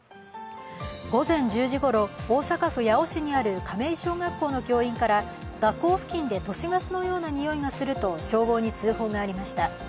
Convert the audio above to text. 午前１０時ごろ、大阪府八尾市にある亀井小学校の教員から学校付近で教員から都市ガスのような臭いがすると消防に通報がありました。